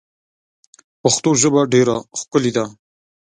پښتو ژبه ډېره ښکلې ده.